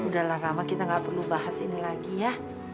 udahlah rama kita gak perlu bahas ini lagi ya